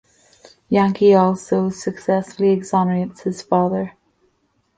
Yankee also successfully exonerates his father.